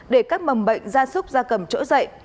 để các mầm bệnh ra súc ra cầm chỗ dậy